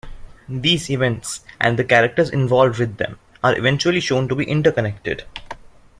These events-and the characters involved with them-are eventually shown to be interconnected.